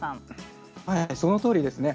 そのとおりです。